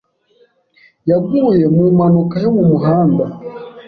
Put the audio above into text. yaguye mu mpanuka yo mu muhanda.